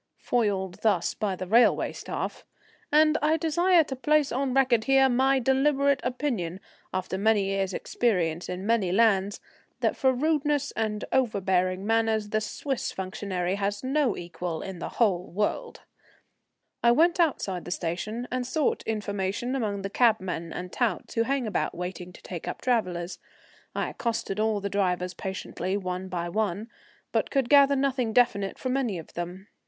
Foiled thus by the railway staff and I desire to place on record here my deliberate opinion after many years' experience in many lands, that for rudeness and overbearing manners the Swiss functionary has no equal in the whole world I went outside the station and sought information among the cabmen and touts who hang about waiting to take up travellers. I accosted all the drivers patiently one by one, but could gather nothing definite from any of them.